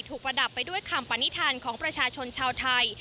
ประดับไปด้วยคำปณิธานของประชาชนชาวไทย